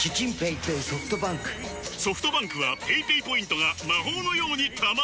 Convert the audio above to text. ソフトバンクはペイペイポイントが魔法のように貯まる！